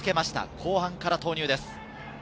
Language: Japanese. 後半から投入です。